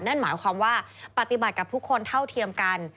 นั่นหมายความว่าปฏิบัติกับทุกคนเท่าเทียมกัน